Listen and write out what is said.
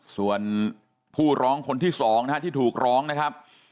ส่วนผู้ร้องคนที่๒นะฮะที่ถูกร้องนะครับ